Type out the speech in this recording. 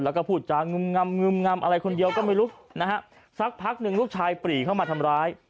แล้วก็พูดจางึมงำงึมงำอะไรคนเดียวก็ไม่รู้นะฮะสักพักหนึ่งลูกชายปรีเข้ามาทำร้าย